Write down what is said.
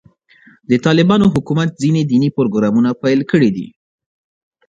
د طالبانو حکومت ځینې دیني پروګرامونه پیل کړي دي.